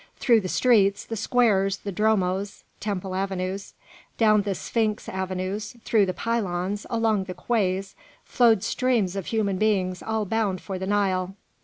Through the streets, the squares, the dromos (temple avenues), down the sphinx avenues, through the pylons, along the quays, flowed streams of human beings all bound for the Nile.